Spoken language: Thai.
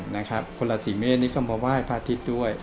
คนละสี่เมฆนี้ก็มาว่ายพระอาทิตย์ด้วย